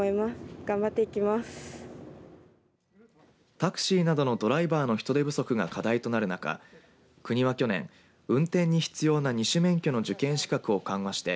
タクシーなどのドライバーの人手不足が課題となる中国は去年、運転に必要な２種免許の受験資格を緩和して